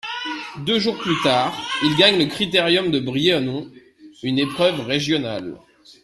Deux jours plus tard, il gagne le Critérium de Briennon, une épreuve régionale.